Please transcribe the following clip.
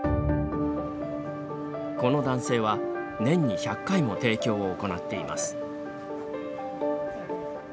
この男性は、年に１００回も提供を行っています。